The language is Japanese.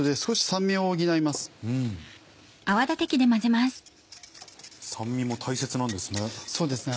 酸味も大切なんですね。